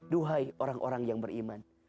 duhai orang orang yang beriman